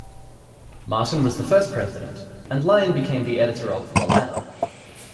Martin was the first president and Lyon became the editor of "The Ladder".